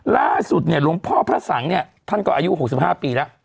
ล่าสุดหลวงพ่อพระสังฆ์ท่านก็อายุ๖๕ปีแล้ว